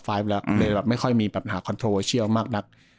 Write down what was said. ไฟล์แล้วอืมเลยแบบไม่ค่อยมีแบบหาคอนโทรลเวอร์เชียวมากนัก